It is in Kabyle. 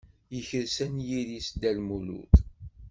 Yekres anyir-is Dda Lmulud.